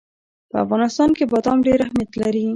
په افغانستان کې بادام ډېر اهمیت لري.